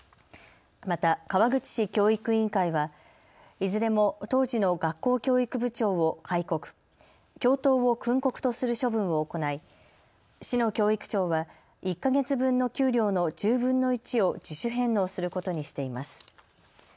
また川口市教育委員会はいずれも当時の学校教育部長を戒告、教頭を訓告とする処分を行い市の教育長は１か月分の給料の１０分の１を自主返納することにしています。